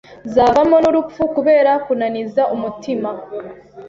zavamo n’urupfu kubera kunaniza umutima